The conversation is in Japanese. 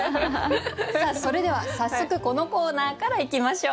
それでは早速このコーナーからいきましょう。